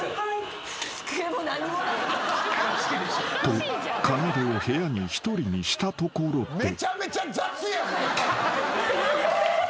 ［とかなでを部屋に一人にしたところで］